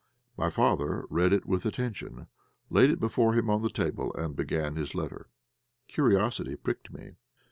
My father read it with attention, laid it before him on the table, and began his letter. Curiosity pricked me.